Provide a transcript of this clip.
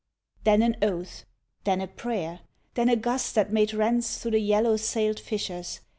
Then an oath. Then a prayer! Then a gust that made rents Through the yellow sailed fishers.